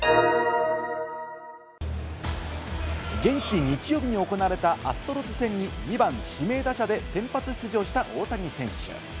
現地、日曜日に行われたアストロズ戦に２番・指名打者で先発出場した大谷選手。